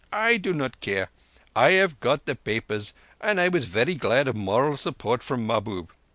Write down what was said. I do not care. I have got the papers, and I was very glad of moral support from Mahbub.